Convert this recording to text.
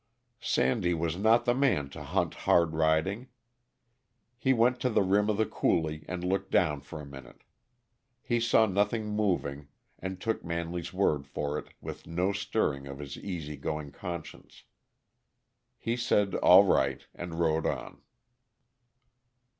Sandy was not the man to hunt hard riding. He went to the rim of the coulee and looked down for a minute. He saw nothing moving, and took Manley's word for it with no stirring of his easy going conscience. He said all right, and rode on.